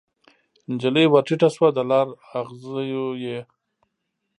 نجلۍ ورټیټه شوه د لار اغزو یې